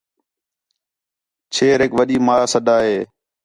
چھیریک وݙّی ماں سݙّا ہِے